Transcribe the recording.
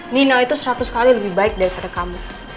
nino itu seratus kali lebih baik daripada kamu